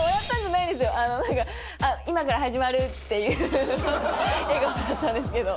なんか、今から始まるっていう笑顔だったんですけど。